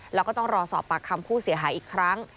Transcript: แล้วก็ต้องรอสอบปากคำผู้เสียหายอีกครั้ง